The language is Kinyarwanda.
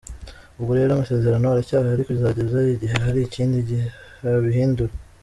Ubwo rero amasezerano aracyahari kuzageza igihe hari ikindi cyabihindura.